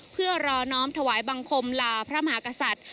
เพื่อรอน้อมถวายบังคมลาพระมหากษัตริย์